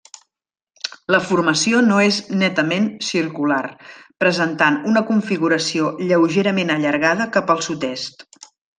La formació no és netament circular, presentant una configuració lleugerament allargada cap al sud-est.